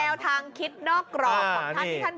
แล้วทางบอกท่าน